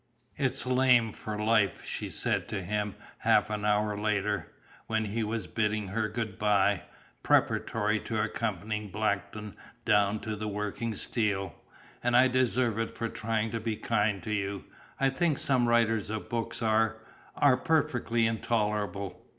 "It's lame for life," she said to him half an hour later, when he was bidding her good bye, preparatory to accompanying Blackton down to the working steel. "And I deserve it for trying to be kind to you. I think some writers of books are are perfectly intolerable!"